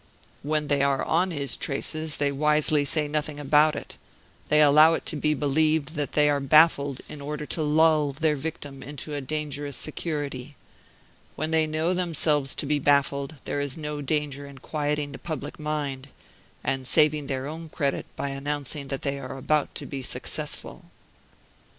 When they are on his traces they wisely say nothing about it; they allow it to be believed that they are baffled, in order to lull their victim into a dangerous security. When they know themselves to be baffled, there is no danger in quieting the public mind, and saving their own credit, by announcing that they are about to be successful."